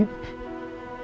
ijinkan kami ya allah